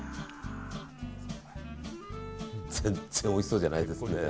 全然おいしそうじゃないですね。